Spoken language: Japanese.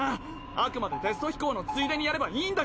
あくまでテスト飛行のついでにやればいいんだから。